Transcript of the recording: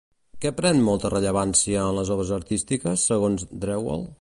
Què pren molta rellevància en les obres artístiques, segons Drewal?